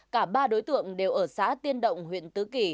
cả ba đối tượng đều ở xã tiên động huyện tứ kỳ